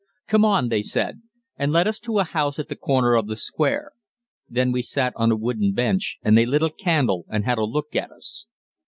"Come on," they said, and led us to a house at the corner of the square. Then we sat on a wooden bench, and they lit a candle and had a look at us.